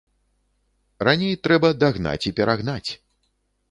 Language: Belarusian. Раней трэба дагнаць і перагнаць.